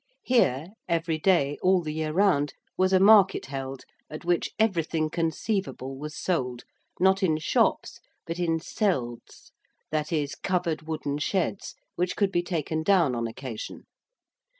Here, every day, all the year round, was a market held at which everything conceivable was sold, not in shops, but in selds, that is, covered wooden sheds, which could be taken down on occasion.